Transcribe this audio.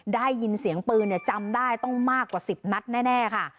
ได้ยินเสียงปืนจำได้ต้องมากกว่า๑๐นัดแน่ค่ะ